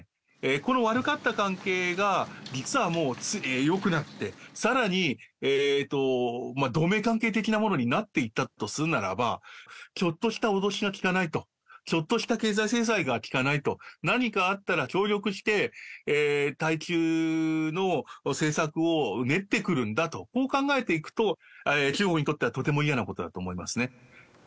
この悪かった関係が実はもうよくなって、さらに同盟関係的なものになっていたとするならば、ちょっとした脅しは効かないと、ちょっとした経済制裁が効かないと、何かあったら協力して、対中の政策を練ってくるんだと、こう考えていくと、中国にとってはとても嫌なことだと思いますね。